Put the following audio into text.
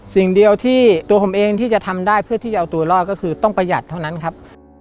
สิ่งเดียวที่ตัวผมเองที่จะทำได้เพื่อที่จะเอาตัวรอดก็คือต้องประหยัดเท่านั้นครับ